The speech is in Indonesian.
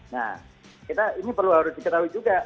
nah ini perlu harus diketahui juga